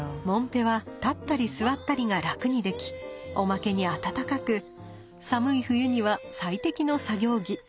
もんぺは立ったり座ったりが楽にできおまけに暖かく寒い冬には最適の作業着。